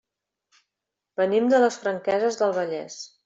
Venim de les Franqueses del Vallès.